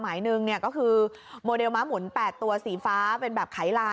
หนึ่งก็คือโมเดลม้าหมุน๘ตัวสีฟ้าเป็นแบบไขลา